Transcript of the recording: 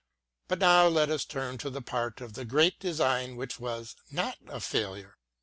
But now let us turn to the part of the great design which was not a failure.